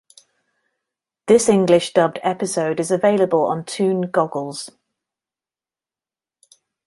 This English dubbed episode is available on Toon Goggles.